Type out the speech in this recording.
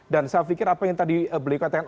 dan saya pikir apa yang tadi beliau katakan